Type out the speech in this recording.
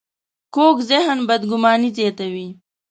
کوږ ذهن بدګماني زیاتوي